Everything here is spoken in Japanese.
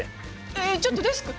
えっちょっとデスク！